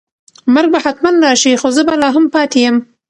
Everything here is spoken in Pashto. مرګ به حتماً راشي خو زه به لا هم پاتې یم.